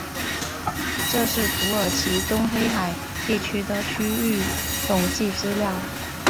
这是土耳其东黑海地区的区域统计资料。